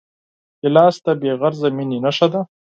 ګیلاس د بېغرضه مینې نښه ده.